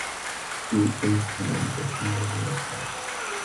U oʻz kanalida shunday yozdi.